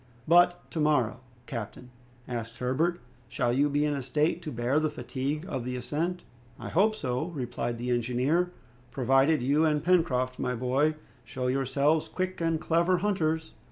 "But to morrow, captain," asked Herbert, "shall you be in a state to bear the fatigue of the ascent?" "I hope so," replied the engineer, "provided you and Pencroft, my boy, show yourselves quick and clever hunters."